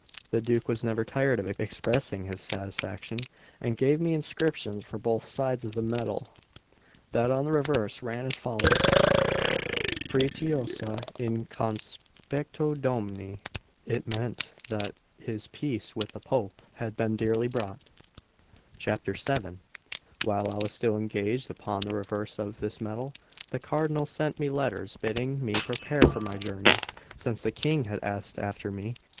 The Duke was never tired of expressing his satisfaction, and gave me inscriptions for both sides of the medal. That on the reverse ran as follows: 'Pretiosa in conspectu Domini;' it meant that his peace with the Pope had been dearly bought. VII WHILE I was still engaged upon the reverse of this medal, the Cardinal sent me letters bidding me prepare for my journey, since the King had asked after me.